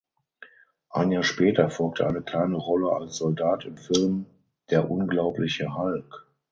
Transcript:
Ein Jahr später folgte eine kleine Rolle als Soldat im Film "Der unglaubliche Hulk".